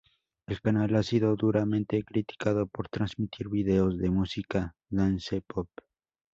El canal ha sido duramente criticado por transmitir vídeos de música Dance pop.